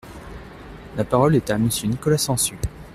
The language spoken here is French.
La parole est à Monsieur Nicolas Sansu.